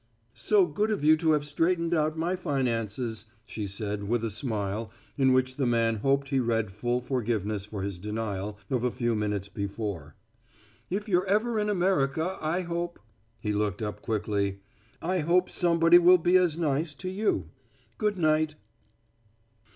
"So good of you to have straightened out my finances," she said, with a smile in which the man hoped he read full forgiveness for his denial of a few minutes before. "If you're ever in America I hope " He looked up quickly. "I hope somebody will be as nice to you. Good night."